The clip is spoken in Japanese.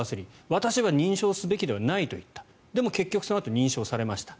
私は認証すべきではないと言ったでも結局そのあと認証されました。